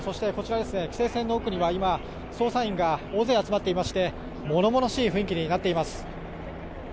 規制線の奥には捜査員が大勢集まっていまして物々しい雰囲気になっています。